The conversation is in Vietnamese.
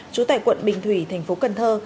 chú tại quận bình thủy thành phố cần thơ